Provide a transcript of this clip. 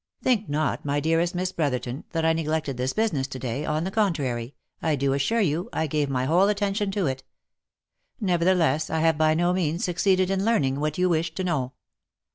Think not, my dearest Miss Brotherton, that I neglected this business yesterday, on the contrary, I do assure you I gave my whole attention to it ; nevertheless, I have by no means succeeded in learning what you wish to know.